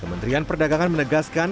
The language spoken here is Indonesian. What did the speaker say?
kementerian perdagangan menegaskan